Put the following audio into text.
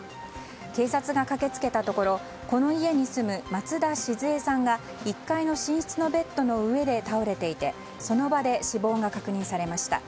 警察が駆け付けたところこの家に住む松田志壽江さんが１階の寝室のベッドの上で倒れていてその場で死亡が確認されました。